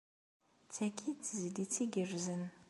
Tagi d tizlit igerrzen.